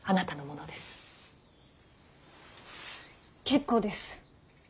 結構です。